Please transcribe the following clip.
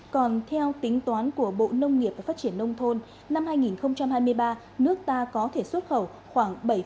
còn theo tính toán của bộ nông nghiệp và phát triển nông thôn năm hai nghìn hai mươi ba nước ta có thể xuất khẩu khoảng bảy năm tám triệu tấn gạo